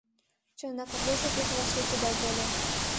Чынак, рвезе пеш вашке кудал тольо.